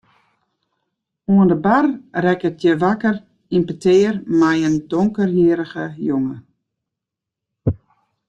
Oan de bar rekket hja wakker yn petear mei in donkerhierrige jonge.